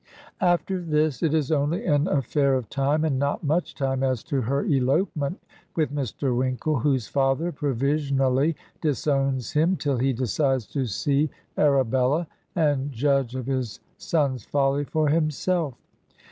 After this it is only an affair of time, and not much time, as to her elopement with Mr. Winkle, whose father provisionally disowns him till he decides to see Arabella, and judge of his son's folly for himself.